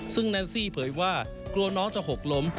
ซึ่งแนนซี่เผยว่ากลัวน้องจะหกล้ม